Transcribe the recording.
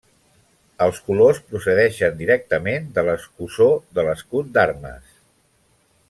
Els colors procedeixen directament de l'escussó de l'escut d'armes.